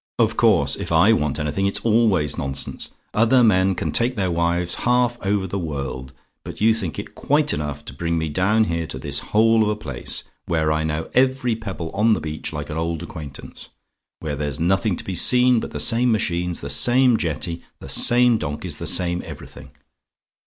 "Of course; if I want anything it's always nonsense. Other men can take their wives half over the world; but you think it quite enough to bring me down here to this hole of a place, where I know every pebble on the beach like an old acquaintance where there's nothing to be seen but the same machines the same jetty the same donkeys the same everything.